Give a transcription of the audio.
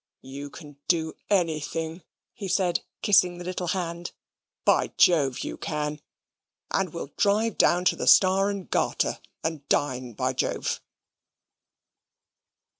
"You can do anything," he said, kissing the little hand. "By Jove you can; and we'll drive down to the Star and Garter, and dine, by Jove."